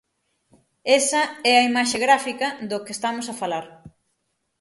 Esa é a imaxe gráfica do que estamos a falar.